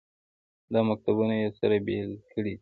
دا مکتبونه یې سره بېلې کړې دي.